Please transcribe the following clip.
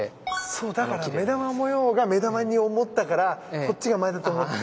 そうだから目玉模様が目玉に思ったからこっちが前だと思っちゃったんだ。